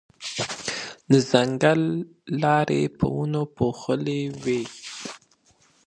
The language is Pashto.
د ځنګل لارې په ونو پوښلې وې.